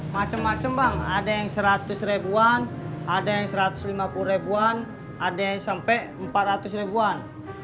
macem macem bang ada yang seratus ribuan ada yang satu ratus lima puluh ribuan ada yang sampai empat ratus ribuan